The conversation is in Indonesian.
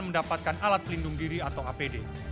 mendapatkan alat pelindung diri atau apd